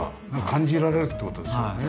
感じられるって事ですよね。